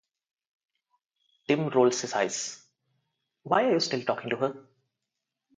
Tim rolls his eyes. "Why are you still talking to her?"